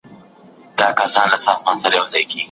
پوهه لرونکې میندې د ماشومانو د بدن پاکوالي څاري.